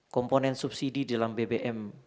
komponen subsidi dalam bbm